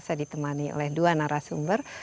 saya ditemani oleh dua narasumber